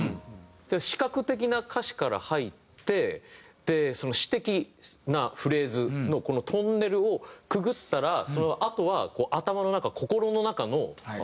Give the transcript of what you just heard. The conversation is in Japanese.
視覚的な歌詞から入って詩的なフレーズのトンネルをくぐったらあとは頭の中。